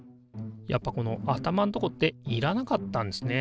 やっぱこの頭んとこっていらなかったんですね。